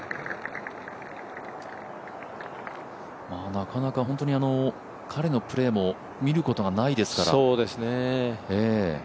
なかなか本当に彼のプレーも見ることがないですから。